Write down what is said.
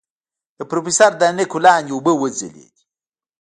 د پروفيسر تر عينکو لاندې اوبه وځلېدې.